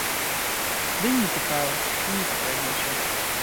Ды і не цікава, і не патрэбна ўсё.